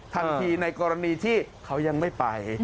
ทันทีในกรณีที่เขายังไม่ไป